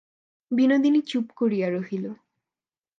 বিনোদিনী চুপ করিয়া রহিল।